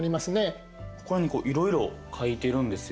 ここら辺にいろいろ書いてるんですよ。